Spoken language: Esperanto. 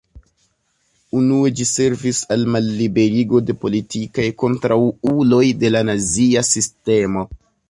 Unue ĝi servis al malliberigo de politikaj kontraŭuloj de la nazia sistemo.